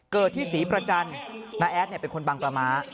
เกิดที่ศรีประจันทร์น้าแอดเป็นคนบังปลาม้า